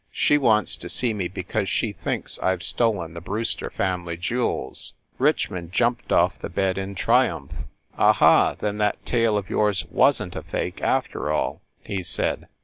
She wants to see me because she thinks I ve stolen the Brew ster family jewels !" Richmond jumped off the bed in triumph. "Aha, then that tale of yours wasn t a fake, after all !" he said.